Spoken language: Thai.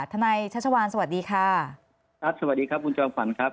ทนายชัชวานสวัสดีค่ะครับสวัสดีครับคุณจอมขวัญครับ